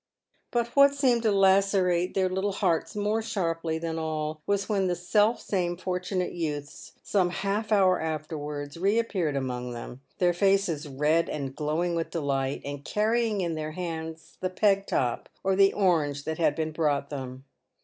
But what seemed to lacerate their little hearts more sharply than all, was when the self same fortunate youths, some half hour after wards, reappeared among them, their faces red and glowing with delight, and carrying in their hands the peg top or the orange that had been brought them.